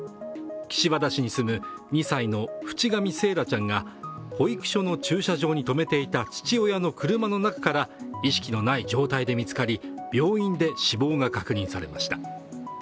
岸和田市に住む２歳の渕上惺愛ちゃんが保育所の駐車場に止めていた父親の車の中から意識のない状態で見つかり、病院で死亡が確認されました。